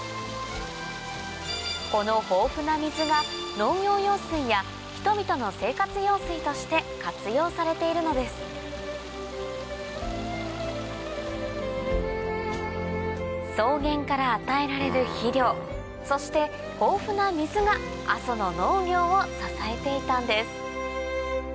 この豊富な水が農業用水や人々の生活用水として活用されているのです草原から与えられる肥料そして豊富な水が阿蘇の農業を支えていたんです